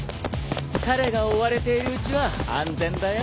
彼が追われているうちは安全だよ。